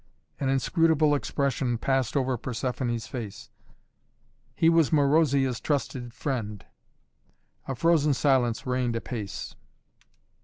An inscrutable expression passed over Persephoné's face. "He was Marozia's trusted friend." A frozen silence reigned apace.